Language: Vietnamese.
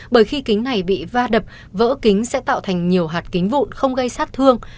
bởi khi kính này bị va đập vỡ kính sẽ tạo thành nhiều hạt kính vụn không gây sát thương